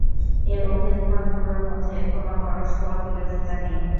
এ অভিমতগুলোর মধ্যে কোন পরস্পর বিরোধিতা নেই।